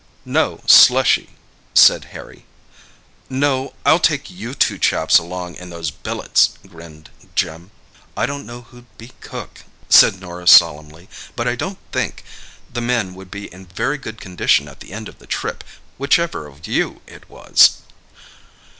"No, slushy," said Harry. "No, I'll take you two chaps along in those billets," grinned Jim. "I don't know who'd be cook," said Norah solemnly; "but I don't think the men would be in very good condition at the end of the trip, whichever of you it was!"